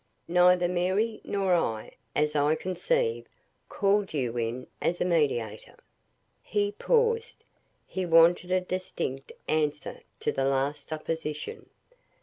Neither Mary nor I, as I conceive, called you in as a mediator." He paused; he wanted a distinct answer to this last supposition.